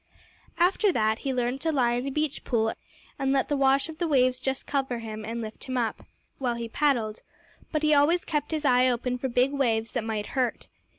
After that, he learned to lie in a beach pool and let the wash of the waves just cover him and lift him up while he paddled, but he always kept his eye open for big waves that might hurt.